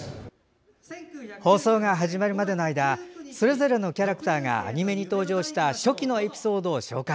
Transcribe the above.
放送が始まるまでの間それぞれのキャラクターがアニメに登場した初期のエピソードを紹介。